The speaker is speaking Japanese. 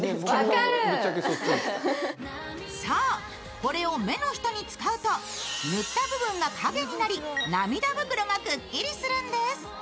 これを目の下に使うと塗った部分が影になり涙袋がくっきりするんです。